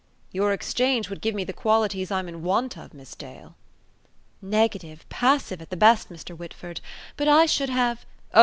"Your exchange would give me the qualities I'm in want of, Miss Dale." "Negative, passive, at the best, Mr. Whitford. But I should have ..